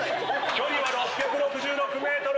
⁉距離は６６６ｍ。